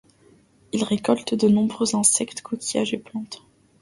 Il récolte de nombreux insectes, coquillages et plantes.